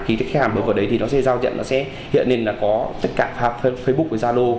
khi khách hàng bước vào đấy thì nó sẽ giao diện nó sẽ hiện nên là có tất cả facebook và gia lô